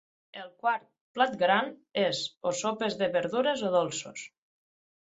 El quart "plat gran" és o sopes de verdures o dolços.